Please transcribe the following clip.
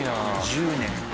１０年か。